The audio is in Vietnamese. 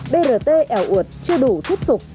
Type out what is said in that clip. brt ẻo ụt chưa đủ thuyết phục